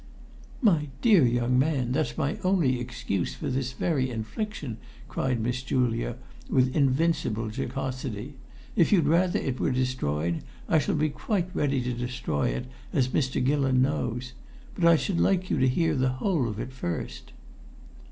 "My dear young man, that's my only excuse for this very infliction!" cried Miss Julia, with invincible jocosity. "If you'd rather it were destroyed, I shall be quite ready to destroy it, as Mr. Gillon knows. But I should like you to hear the whole of it first."